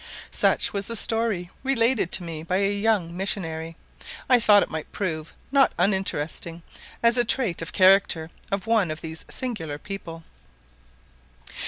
Such was the story related to me by a young missionary. I thought it might prove not uninteresting, as a trait of character of one of these singular people.